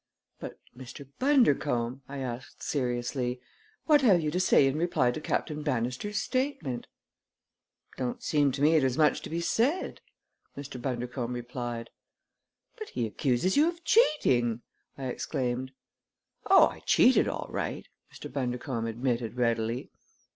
"But, Mr. Bundercombe," I asked seriously, "what have you to say in reply to Captain Bannister's statement?" "Don't seem to me there's much to be said," Mr. Bundercombe replied. "But he accuses you of cheating!" I exclaimed. "Oh, I cheated all right!" Mr. Bundercombe admitted readily.